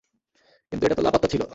কিন্তু এটা তো লাপাত্তা ছিল!